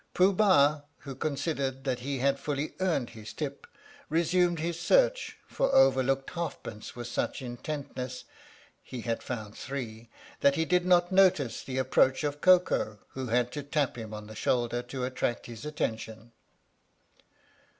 Pooh Bah, who considered that he had fully earned his tip, resumed his search for overlooked halfpence with such in tentness (he had found three) that he did not notice the approach of Koko who had to tap him on the shoulder to attract his attention.